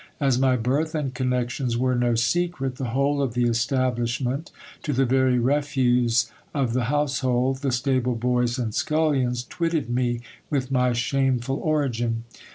As my birth and connections were no secret, the whole of the establishment, to the very refuse of the household, the stable boys and scullions, twitted me with my shameful origin.